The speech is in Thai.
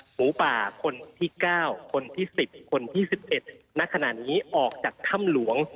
หมูป่าคนที่๙คนที่๑๐คนที่๑๑ณขณะนี้ออกจากถ้ำหลวง